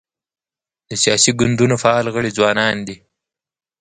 د سیاسي ګوندونو فعال غړي ځوانان دي.